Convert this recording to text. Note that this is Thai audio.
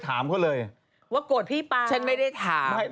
ถามเขาเลยว่ากดพี่ป่าฉันไม่ได้ถามไม่